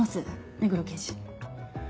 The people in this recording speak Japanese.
目黒刑事。